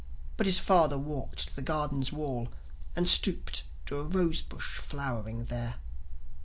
But his father walked to the garden's wall And stooped to a rose bush flowering there.